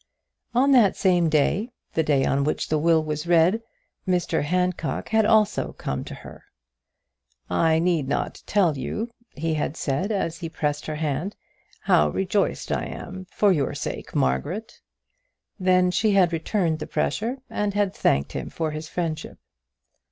On that same day, the day on which the will was read, Mr Handcock had also come to her. "I need not tell you," he had said, as he pressed her hand, "how rejoiced I am for your sake, Margaret." Then she had returned the pressure, and had thanked him for his friendship.